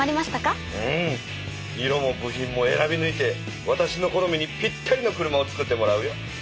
色も部品も選びぬいてわたしの好みにぴったりの車をつくってもらうよ。